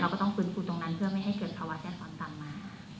เราก็ต้องคืนฟูตรงนั้นเพื่อไม่ให้เกิดภาวะแท่นตอนต่ำมา